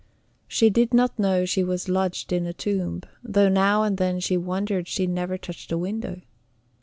She did not know she was lodged in a tomb, though now and then she wondered she never touched a window.